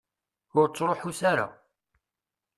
Ur ttruḥut ara.